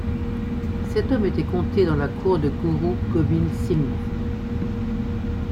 Cet homme était compté dans la cour de Guru Gobind Singh.